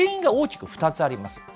原因が大きく２つあります。